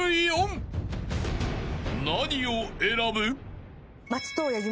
［何を選ぶ？］